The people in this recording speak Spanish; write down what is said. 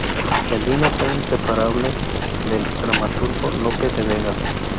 El vino fue inseparable del dramaturgo Lope de Vega.